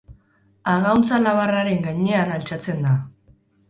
Agauntza labarraren gainean altxatzen da.